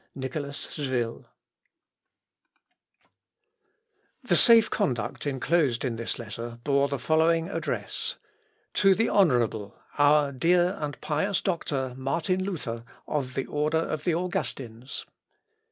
Nicolas Zwyl." The safe conduct enclosed in this letter bore the following address: "_To the honourable, our dear and pious doctor Martin Luther, of the order of the Augustins.